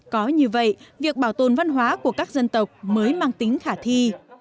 có như vậy việc bảo tồn văn hóa của các dân tộc mới mang tính khả thi